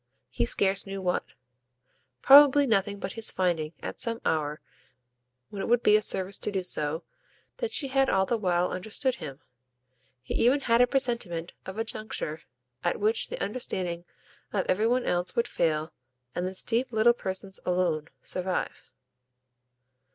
He scarce knew what: probably nothing but his finding, at some hour when it would be a service to do so, that she had all the while understood him. He even had a presentiment of a juncture at which the understanding of every one else would fail and this deep little person's alone survive.